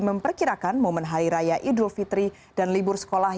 memperkirakan momen hari raya idul fitri dan libur sekolah